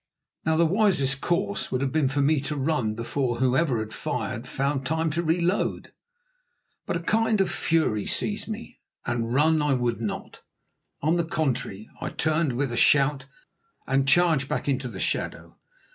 Now, the wisest course would have been for me to run before whoever had fired found time to reload. But a kind of fury seized me, and run I would not. On the contrary, I turned with a shout, and charged back into the shadow.